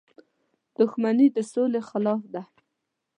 • دښمني د سولې خلاف ده.